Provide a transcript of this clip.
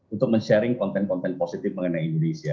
untuk men sharing konten konten positif mengenai indonesia